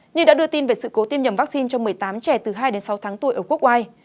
như đã đưa tin về sự cố tiêm nhầm vaccine cho một mươi tám trẻ từ hai đến sáu tháng tuổi ở quốc ai